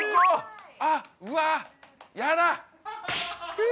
あっうわやだ！